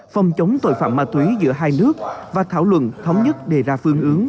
phòng chống tội phạm ma túy giữa hai nước và thảo luận thống nhất đề ra phương hướng